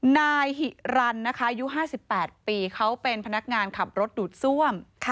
นายหิรันนะคะอายุ๕๘ปีเขาเป็นพนักงานขับรถดูดซ่วม